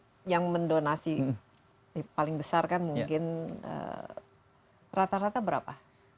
tapi yang mendonasi paling besar kan mungkin rata rata berapa